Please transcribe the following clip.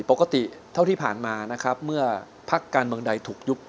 ปกติที่ผ่านมาเมื่อพลักษณ์การเบื้องใดถูกยุบ